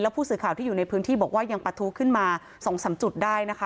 ผู้สื่อข่าวที่อยู่ในพื้นที่บอกว่ายังประทุขึ้นมา๒๓จุดได้นะคะ